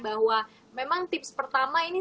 bahwa memang tips pertama ini